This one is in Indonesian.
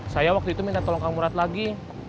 saya waktu itu minta tolong ke murad lagi